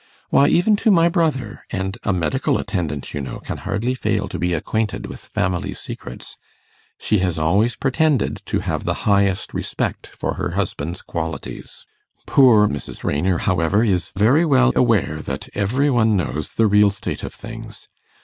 Why, even to my brother and a medical attendant, you know, can hardly fail to be acquainted with family secrets she has always pretended to have the highest respect for her husband's qualities. Poor Mrs. Raynor, however, is very well aware that every one knows the real state of things.